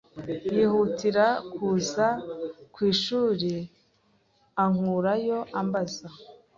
yihutira kuza ku ishuri ankurayo ambaza